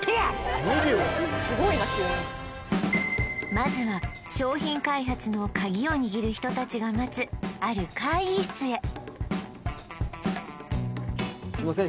まずは商品開発の鍵を握る人たちが待つある会議室へすいません